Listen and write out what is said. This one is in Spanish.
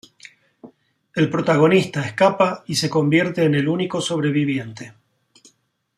El protagonista escapa y se convierte en el único sobreviviente.